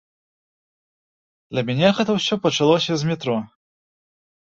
Для мяне гэта ўсё пачалося з метро.